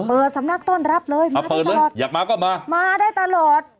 เปิดสำนักต้อนรับเลยมาเปิดตลอดอยากมาก็มามาได้ตลอด